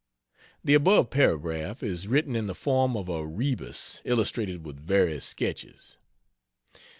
[The above paragraph is written in the form of a rebus illustrated with various sketches.